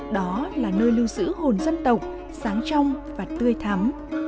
đó là nơi lưu giữ hồn dân tộc sáng trong và tươi thắm